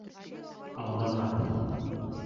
— Алдама.